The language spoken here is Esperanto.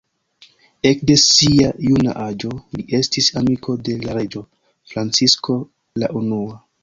Ekde sia juna aĝo, li estis amiko de la reĝo Francisko la Unua.